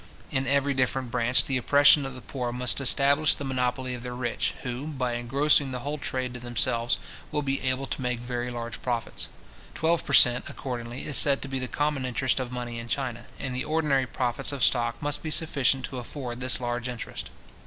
In every different branch, the oppression of the poor must establish the monopoly of the rich, who, by engrossing the whole trade to themselves, will be able to make very large profits. Twelve per cent. accordingly, is said to be the common interest of money in China, and the ordinary profits of stock must be sufficient to afford this large interest.